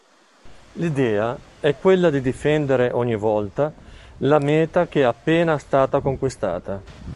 L'idea è quella di difendere ogni volta la meta che è stata appena conquistata.